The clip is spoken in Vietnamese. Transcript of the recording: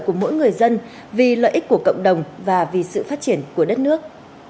của mỗi người dân vì lợi ích của cộng đồng và vì sự phát triển của đất nước